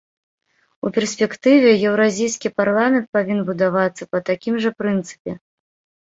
У перспектыве еўразійскі парламент павінен будавацца па такім жа прынцыпе.